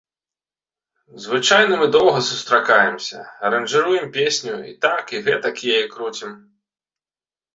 Звычайна мы доўга сустракаемся, аранжыруем песню, і так, і гэтак яе круцім.